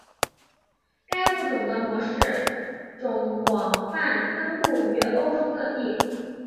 该物种的模式种广泛分布于欧洲各地。